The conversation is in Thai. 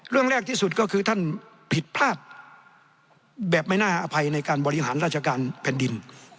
เรื่องแรกที่สุดก็คือท่านผิดพลาดแบบไม่น่าอภัยในการบริหารราชการแผ่นดิน